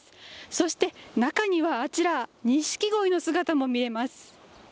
そして、中にはあちらニシキゴイの姿も見えます。